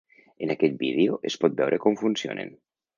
En aquest vídeo es pot veure com funcionen.